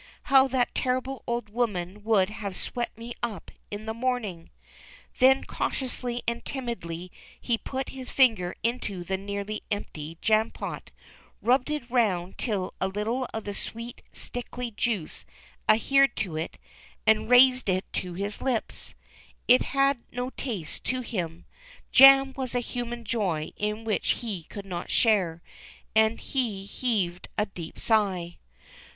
" How that terrible old woman would have swept me up in the morning !" Then, cautiously and timidly, he put his finger into the nearly empty jam pot, rubbed it round till a little of the sweet, sticky juice adhered to it, and raised it 344 THE CHILDREN'S WONDER BOOK. to his lips. It had no taste to him. Jam was a human joy in which he could not share, and he heaved a deep sigh.